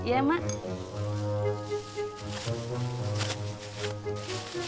gak ada yang bisa bantuin